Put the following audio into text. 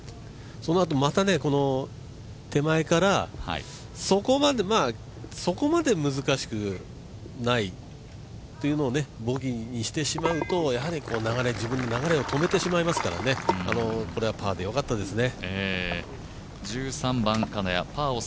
そのあとまた手前から、そこまで難しくないというのをボギーにしてしまうと自分で流れを止めてしまいますからこれはパーで良かったですね。